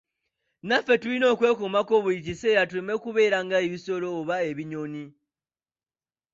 Naffe tulina okwekomako buli kiseera tuleme kubeera nga ebisolo oba ebinyonyi.